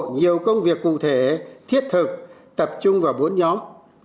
nhiều công việc cụ thể thiết thực tập trung vào bốn nhóm